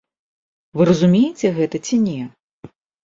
Вы разумееце гэта ці не?